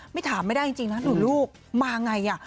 ไม่ถามไม่ได้จริงนะหนูลูกมาไง